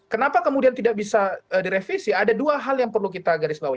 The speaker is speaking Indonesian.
kenapa kemudian tidak bisa direvisi ada dua hal yang perlu kita garis bawahi